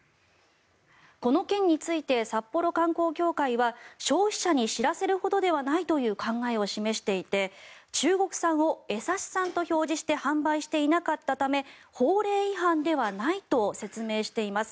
この件について札幌観光協会は消費者に知らせるほどではないという考えを示していて中国産を江差産と表示して販売していなかったため法令違反ではないと説明しています。